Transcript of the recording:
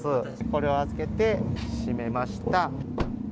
これを預けて閉めました。